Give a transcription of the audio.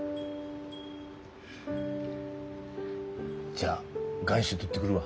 じゃあ願書取ってくるわ。